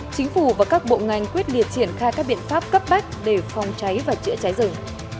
chính phủ và các bộ ngành quyết liệt triển khai các biện pháp cấp bách để phòng cháy và chữa cháy rừng